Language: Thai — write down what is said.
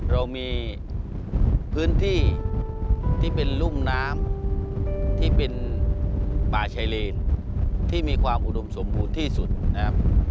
เรามีพื้นที่ที่เป็นรุ่มน้ำที่เป็นป่าชายเลนที่มีความอุดมสมบูรณ์ที่สุดนะครับ